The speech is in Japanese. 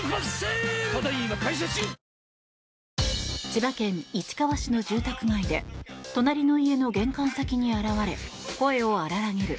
千葉県市川市の住宅街で隣の家の玄関先に現れ声を荒らげる